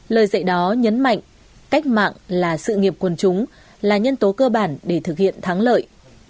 lời dạy đó nhấn mạnh cách mạng là sự nghiệp quân chúng là nhân tố cơ bản để thực hiện thắng lợi